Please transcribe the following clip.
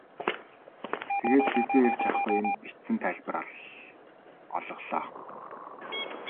Тэгээд хэзээ ирж авахы нь бичсэн тасалбар олголоо.